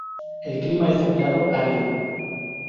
El clima es templado-árido.